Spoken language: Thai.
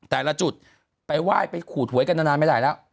แต่ละจุดไปไหว้ไปขูดหวยกันนานไม่ได้แล้ว